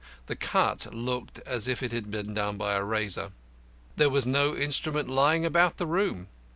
The cut looked as if done by a razor. There was no instrument lying about the room.